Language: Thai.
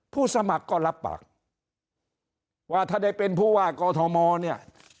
ผู้สมัครก็รับปากว่าถ้าได้เป็นผู้ว่ากอทมเนี่ย